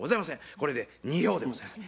これで２票でございます。